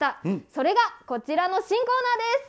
それが、こちらの新コーナーです。